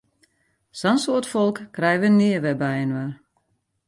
Sa'n soad folk krije wy nea wer byinoar!